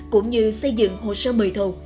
cũng như xây dựng hồ sơ mười thầu